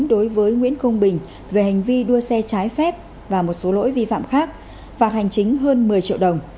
đối với nguyễn công bình về hành vi đua xe trái phép và một số lỗi vi phạm khác phạt hành chính hơn một mươi triệu đồng